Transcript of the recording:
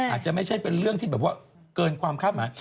อาจจะไม่ใช่เป็นเรื่องที่แบบว่าเกินความคาดหมาย